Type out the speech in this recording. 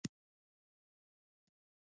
کیفیت یې ډیر لوړ دی.